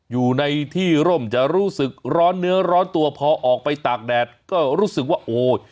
อยู่ในที่ร่มจะรู้สึกร้อนเนื้อร้อนตัวพอออกไปตากแดดก็รู้สึกว่าโอ้ย